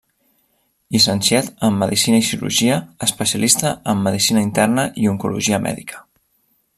Llicenciat en Medicina i Cirurgia, especialista en Medicina Interna i Oncologia Mèdica.